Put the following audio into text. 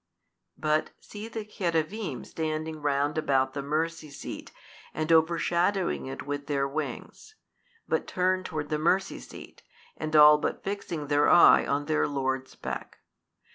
But see the Cherubim standing round about the Mercy seat and overshadowing it with their wings, but turned toward the Mercy seat and all but fixing their eye on their Lord's beck.